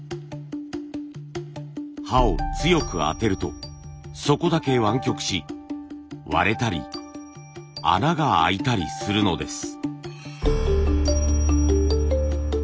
刃を強く当てるとそこだけ湾曲し割れたり穴があいたりするのです。